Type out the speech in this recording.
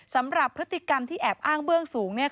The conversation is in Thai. สำหรับพฤติกรรมที่แอบอ้างเบื้องสูงเนี่ย